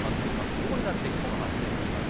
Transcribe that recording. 午後になって雲が発生してきました。